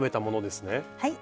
はい。